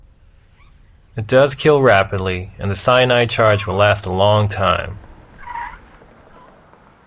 It does kill rapidly and the cyanide charge will last a long time.